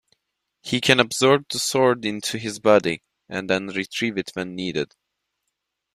He can absorb the sword into his body, and retrieve it when needed.